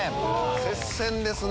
接戦ですね。